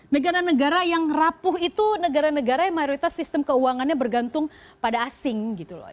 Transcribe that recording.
negara negara yang rapuh itu negara negara yang mayoritas sistem keuangannya bergantung pada asing gitu loh